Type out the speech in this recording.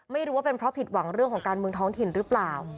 ไม่รู้ว่าเป็นเพราะผิดหวังเรื่องของการเมืองท้องถิ่นหรือเปล่า